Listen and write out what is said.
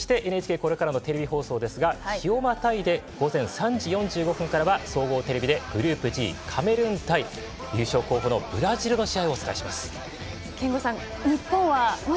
これからのテレビ放送ですが日をまたいで午前３時４５分からは総合テレビでグループＧカタール優勝候補のブラジルの試合をお伝えします。